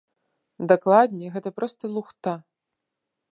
Дакладней, гэта проста лухта.